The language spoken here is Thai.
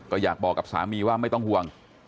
ก็อยากบอกกับสามีว่าไม่ต้องห่วง